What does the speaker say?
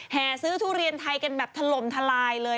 ซื้อทุเรียนไทยกันแบบถล่มทลายเลย